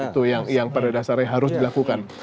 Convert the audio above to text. itu yang pada dasarnya harus dilakukan